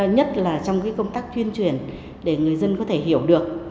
nhất là trong công tác tuyên truyền để người dân có thể hiểu được